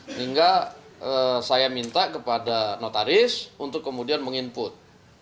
sehingga saya minta kepada notaris untuk kemudian menginput